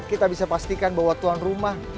kita bisa pastikan bahwa tuan rumah